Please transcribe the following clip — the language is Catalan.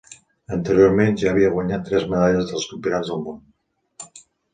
Anteriorment ja havia guanyat tres medalles als Campionats del Món.